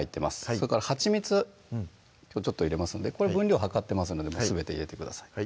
それからはちみつきょうちょっと入れますのでこれ分量量ってますのですべて入れてください